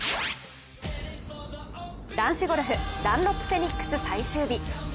男子ゴルフダンロップフェニックス最終日。